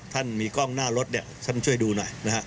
ท่านมีกล้องหน้ารถช่วยดูหน่อย